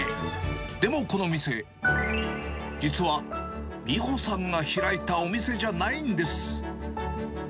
でも、この店、実は美保さんが開いたお店じゃないんです。